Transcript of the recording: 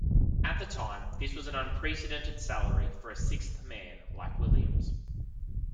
At the time, this was an unprecedented salary for a sixth man like Williams.